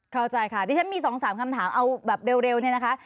เข้าใจค่ะดิฉันมี๒๓คำถามเอาแบบเร็วเนี่ยนะคะ